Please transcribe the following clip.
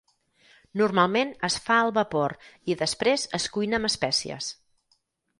Normalment es fa al vapor i després es cuina amb espècies.